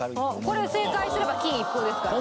これ正解すれば金一封ですからね。